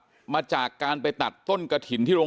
เป็นมีดปลายแหลมยาวประมาณ๑ฟุตนะฮะที่ใช้ก่อเหตุ